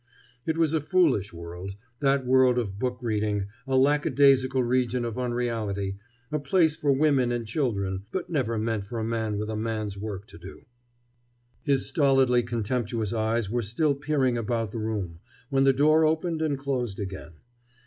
It was a foolish world, that world of book reading, a lackadaisical region of unreality, a place for women and children, but never meant for a man with a man's work to do. His stolidly contemptuous eyes were still peering about the room when the door opened and closed again.